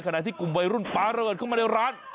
ขณะที่กลุ่มวัยรุ่นปลาระเบิดเข้ามาในร้าน